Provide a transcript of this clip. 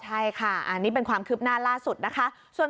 ใช่ค่ะอันนี้เป็นความคืบหน้าล่าสุดนะคะ